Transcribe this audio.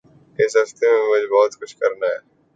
اس ہفتے میں مجھے بہت کچھ کرنا ہے۔